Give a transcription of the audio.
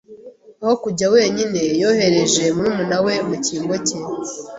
Aho kujya wenyine, yohereje murumuna we mu cyimbo cye.